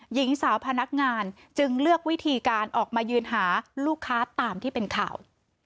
หญิงสาวพนักงานจึงเลือกวิธีการออกมายืนหาลูกค้าตามที่เป็นข่าว